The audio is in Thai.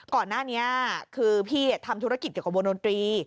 ก่อนหน้านี้คือพี่ทำธุรกิจเกี่ยวกับวงดนตรี